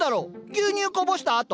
牛乳こぼした跡。